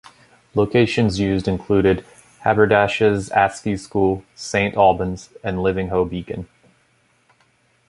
Locations used included Haberdashers' Aske's School, Saint Albans and Ivinghoe Beacon.